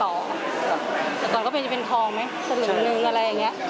แต่ก่อนก็เป็นทองไหมสำหรับหนึ่งอะไรอย่างนี้